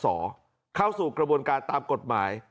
เข้าสู่กระบวนการตามกฎหมาย